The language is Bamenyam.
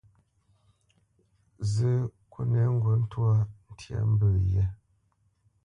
Zə́, kúnɛ ŋgǔt ntwâ ntya mbə̄ yɛ́.